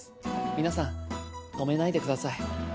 皆さん止めないでください。